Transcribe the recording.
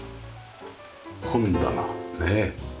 本棚ねえ。